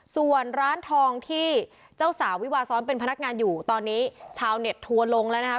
ส่วนร้านทองที่เจ้าสาววิวาซ้อนเป็นพนักงานอยู่ตอนนี้ชาวเน็ตทัวร์ลงแล้วนะครับ